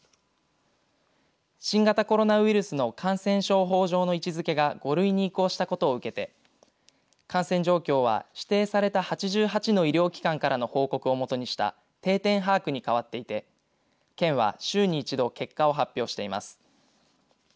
新型コロナウイルスの感染症法上の位置づけが５類に移行したことを受けて感染状況は指定された８８の医療機関からの報告をもとにした定点把握に変わっていて県は週に１度結果を発表しています。